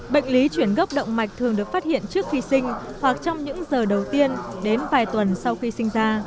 bệnh lý chuyển gốc động mạch thường được phát hiện trước khi sinh hoặc trong những giờ đầu tiên đến vài tuần sau khi sinh ra